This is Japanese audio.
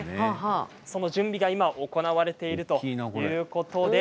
その準備が今、行われているということなんです。